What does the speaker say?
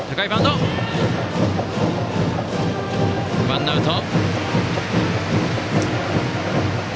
ワンアウト。